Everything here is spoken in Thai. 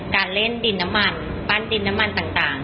การเล่นดินน้ำมันปั้นดินน้ำมันต่าง